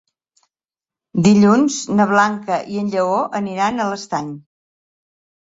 Dilluns na Blanca i en Lleó aniran a l'Estany.